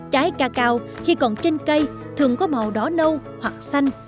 trái ca cao khi còn trên cây thường có màu đỏ nâu hoặc xanh